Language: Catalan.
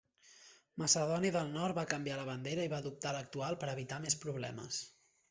Macedònia del Nord va canviar la bandera i va adoptar l'actual per evitar més problemes.